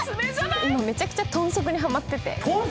今めちゃくちゃ豚足にハマってて。